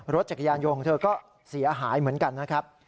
รถจักรยานยนต์ของเธอก็เสียหายเหมือนกันนะครับ